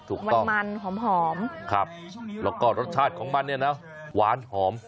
ถูกต้องค่ะแล้วก็รสชาติของมันเนี่ยนะหวานหอม